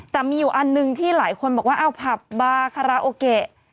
แต่มีอยู่อันหนึ่งที่หลายคนบอกว่าเอาผับบาคาราโอเกะ